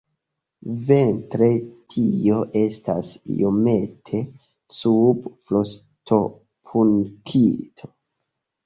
Vintre tio estas iomete sub frostopunkto.